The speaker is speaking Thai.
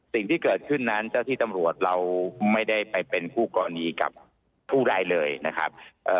สิ่งที่เกิดขึ้นนั้นเจ้าที่ตำรวจเราไม่ได้ไปเป็นคู่กรณีกับผู้ใดเลยนะครับ